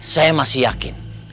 saya masih yakin